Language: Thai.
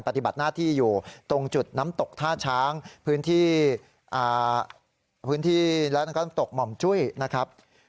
ปฏิบัติหน้าที่อยู่ตรงจุดน้ำตกท่าช้างพื้นที่พื้นที่แล้วก็น้ำตกหม่อมจุ้ยนะครับ